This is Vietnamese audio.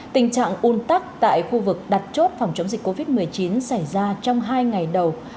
tình trạng un tắc tại khu vực đặt chốt phòng chống dịch covid một mươi chín xảy ra trong hai ngày đầu